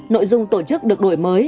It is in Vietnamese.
nội dung tổ chức được đổi mới